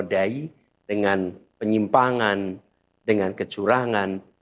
yang dikenodai dengan penyimpangan dengan kecurangan